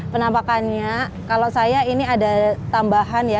penampakannya kalau saya ini ada tambahan ya